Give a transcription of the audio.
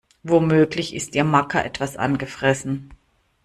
Womöglich ist ihr Macker etwas angefressen.